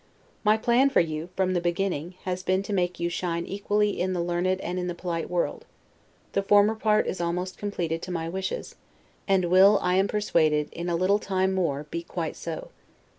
My plan for you, from the beginning, has been to make you shine equally in the learned and in the polite world; the former part is almost completed to my wishes, and will, I am persuaded, in a little time more, be quite so.